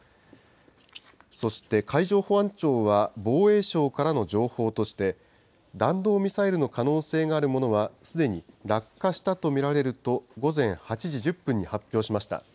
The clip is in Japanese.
そして、海上保安庁は防衛省からの情報として、弾道ミサイルの可能性があるものは、すでに落下したと見られると、午前８時１０分に発表しました。